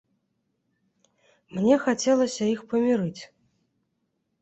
Мне хацелася іх памірыць.